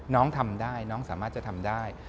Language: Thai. น้องทำได้น้องสามารถจะทำได้